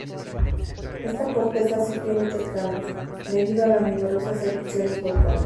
Esta corteza sufrió muchos cambios, debido a las numerosas erupciones volcánicas.